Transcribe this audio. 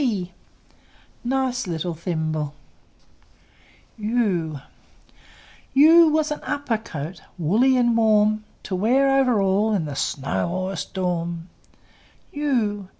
t! Nice little thimble! U U was an upper coat, Woolly and warm, To wear over all In the snow or the storm. u!